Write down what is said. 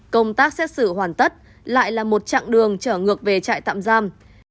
công tác xét xử hoàn tất lại là một chặng đường trở ngược về trại tạm giam